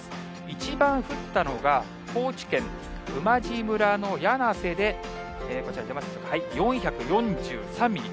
一番降ったのが、高知県馬路村の魚梁瀬で、こちら、出ますでしょうか、４４３ミリ。